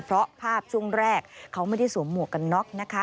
เพราะภาพช่วงแรกเขาไม่ได้สวมหมวกกันน็อกนะคะ